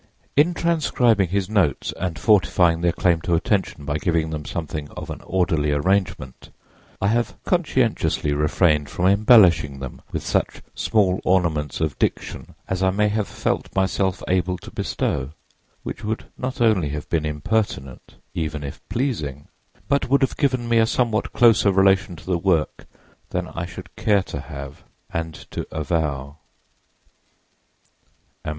In transcribing his notes and fortifying their claim to attention by giving them something of an orderly arrangement, _I have conscientiously refrained from embellishing them with such small ornaments of diction as I may have felt myself able to bestow_, which would not only have been impertinent, even if pleasing, but would have given me a somewhat closer relation to the work than I should care to have and to avow.—_A.